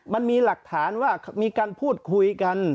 มันมีหลักฐานว่ามีการพูดคุยกัน